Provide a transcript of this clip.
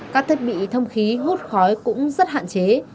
các thiết bị thông khí hút khói cũng rất hạn chế